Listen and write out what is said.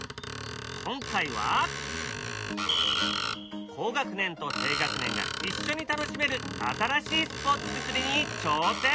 今回は高学年と低学年が一緒に楽しめる新しいスポーツ作りに挑戦！